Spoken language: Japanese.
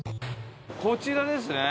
こちらですね。